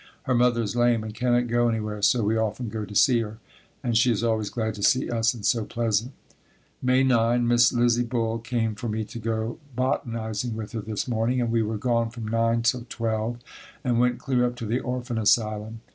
Her mother is lame and cannot go anywhere so we often go to see her and she is always glad to see us and so pleasant. May 9. Miss Lizzie Bull came for me to go botanising with her this morning and we were gone from 9 till 12, and went clear up to the orphan asylum.